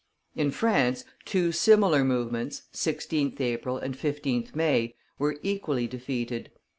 In France, two similar movements (16th April and 15th May) were equally defeated.